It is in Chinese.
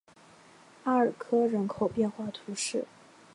阿尔科人口变化图示